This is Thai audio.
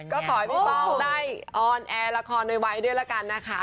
ก็ขอให้พี่ป้องได้ออนแอร์ละครไวด้วยละกันนะคะ